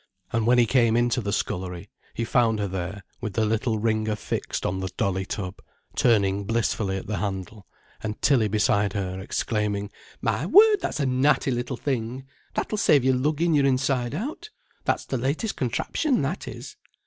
And when he came into the scullery, he found her there, with the little wringer fixed on the dolly tub, turning blissfully at the handle, and Tilly beside her, exclaiming: "My word, that's a natty little thing! That'll save you luggin' your inside out. That's the latest contraption, that is."